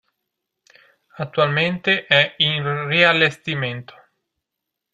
Attualmente è in riallestimento.